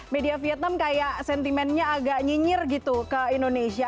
media vietnam kayak sentimennya agak nyinyir gitu ke indonesia